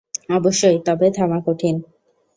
অবশ্যই, তবে থামা কঠিন।